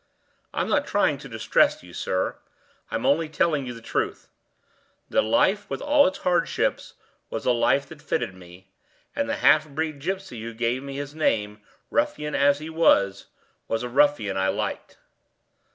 I'm not trying to distress you, sir; I'm only telling you the truth. The life with all its hardships was a life that fitted me, and the half breed gypsy who gave me his name, ruffian as he was, was a ruffian I liked."